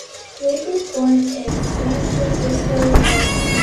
Lake was born in San Francisco, California.